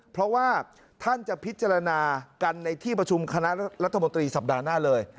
เพราะว่าท่านจะพิจารณากันในที่ประชุมคณะรัฐมนตรีสัปดาห์หน้าเลย